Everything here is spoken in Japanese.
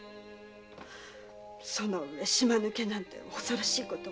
そのうえ島抜けなんて恐ろしいことを。